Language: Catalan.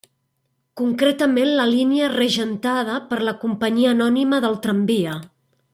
Concretament la línia regentada per la Companyia Anònima del Tramvia.